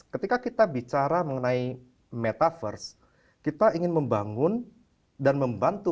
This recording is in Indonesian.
ketika kita bicara mengenai metaverse kita ingin membangun dan membantu